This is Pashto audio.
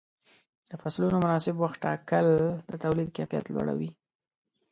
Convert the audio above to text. د فصلونو مناسب وخت ټاکل د تولید کیفیت لوړوي.